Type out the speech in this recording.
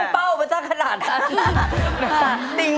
อยากจะได้แอบอิ่ง